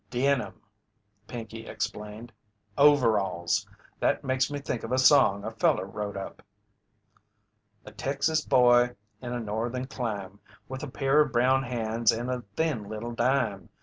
"Denim," Pinkey explained, "overalls. That makes me think of a song a feller wrote up: "A Texas boy in a Northern clime, With a pair of brown hands and a thin little dime.